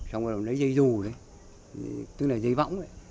xong rồi lấy dây dù đấy tức là dây võng đấy